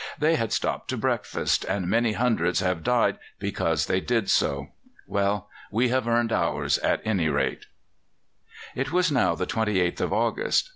They had stopped to breakfast, and many hundreds have died because they did so. Well, we have earned ours, at any rate." It was now the 28th of August.